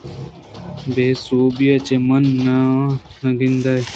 بے سُوبی ءَ چہ من آ نہ ئِے نہ گِندے